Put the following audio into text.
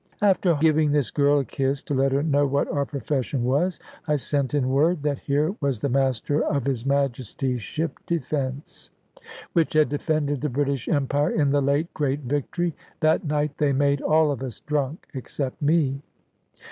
After giving this girl a kiss (to let her know what our profession was), I sent in word that here was the Master of his Majesty's ship Defence, which had defended the British Empire, in the late great victory. That night they made all of us drunk, except me.